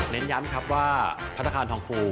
เน้นย้ำครับว่าธนาคารทองฟู